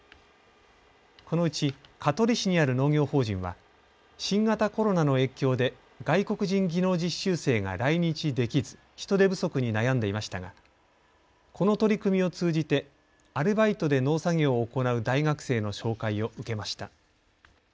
このうち香取市にある農業法人は新型コロナの影響で外国人技能実習生が来日できず人手不足に悩んでいましたがこの取り組みを通じてアルバイトで農作業を行う大学生の紹介を受けました。